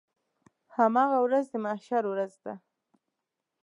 هماغه ورځ د محشر ورځ ده.